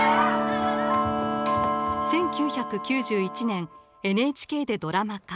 １９９１年ＮＨＫでドラマ化。